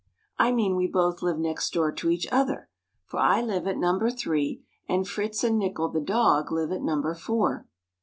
I mean we both live next door to each other; for I live at number three, and Fritz and Nickel the dog live at number four.